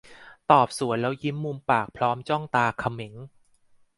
ตอบสวนแล้วยิ้มมุมปากพร้อมจ้องตาเขม็ง